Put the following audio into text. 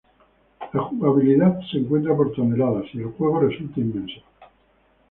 La jugabilidad se encuentra por toneladas y el juego resulta inmenso.